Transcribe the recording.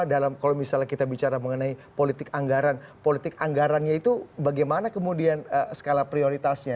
dalam kalau misalnya kita bicara mengenai politik anggaran politik anggarannya itu bagaimana kemudian skala prioritasnya